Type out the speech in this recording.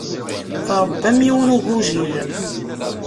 Tṛebbam yiwen n ugujil.